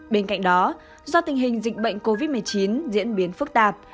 bên cạnh đó do tình hình dịch bệnh covid một mươi chín diễn biến phức tạp